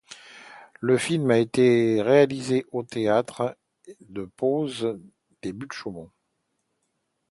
Le film a été réalisé au théâtre de pose des Buttes-Chaumont.